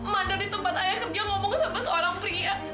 mandor di tempat ayah kerja ngomong sama seorang pria